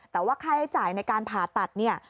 แต่ว่าค่าใช้จ่ายในการผ่าตัดเนี่ย